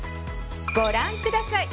ご覧ください。